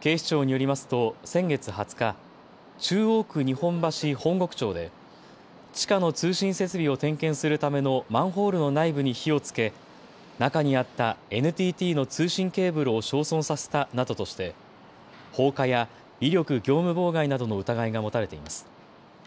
警視庁によりますと先月２０日、中央区日本橋本石町で、地下の通信設備を点検するためのマンホールの内部に火をつけ中にあったＮＴＴの通信ケーブルを焼損させたなどとして放火や威力業務妨害などの疑いが持たれています。